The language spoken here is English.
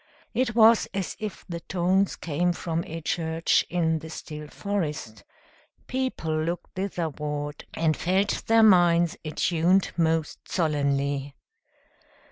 It was as if the tones came from a church in the still forest; people looked thitherward, and felt their minds attuned most solemnly.